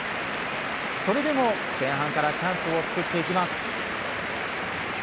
それでも前半からチャンスを作ります。